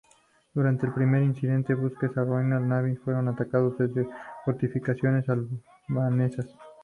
Durante el primer incidente, buques de la Royal Navy fueron atacados desde fortificaciones albanesas.